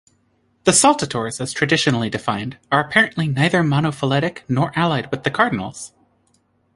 The saltators as traditionally defined are apparently neither monophyletic nor allied with the cardinals.